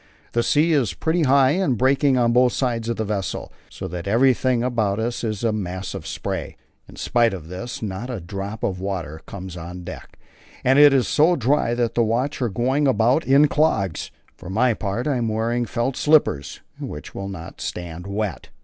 The sea is pretty high and breaking on both sides of the vessel, so that everything about us is a mass of spray. In spite of this, not a drop of water comes on deck, and it is so dry that the watch are going about in clogs. For my part I am wearing felt slippers, which will not stand wet.